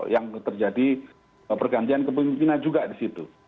yang terjadi pergantian kepemimpinan juga di situ